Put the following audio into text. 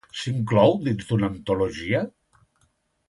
S'inclou dins d'una antologia?